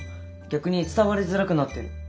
逆に伝わりづらくなってる。